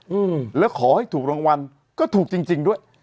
อืมแล้วขอให้ถูกรางวัลก็ถูกจริงจริงด้วย